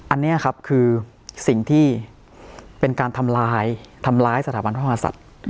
อันนี้คือสิ่งที่เป็นการทำลายสถาบันพระมหาศัตริย์